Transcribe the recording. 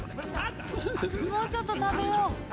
もうちょっと食べよう。